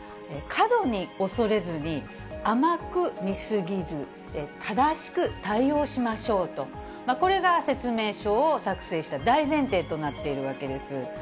過度に恐れずに、甘く見過ぎず、正しく対応しましょうと、これが説明書を作成した大前提となっているわけです。